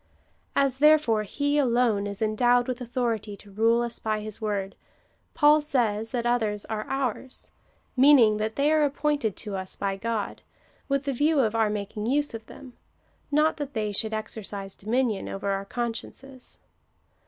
As, therefore, he alone is endowed with authority to rule us by his word, Paul says that others are ours — mean ing, that they are appointed to us by Grod with the view of our making use of them — not that they should exercise dominion over our consciences.